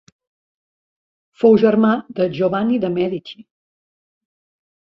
Fou germà de Giovanni de Mèdici.